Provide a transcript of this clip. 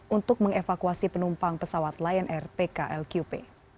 untuk mengevakuasi penumpang pesawat lion air pklqp